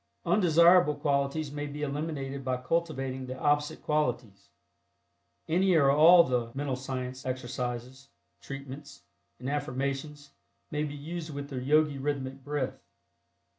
Undesirable qualities may be eliminated by cultivating the opposite qualities. Any or all the "Mental Science" exercises, "treatments" and "affirmations" may be used with the Yogi Rhythmic Breath.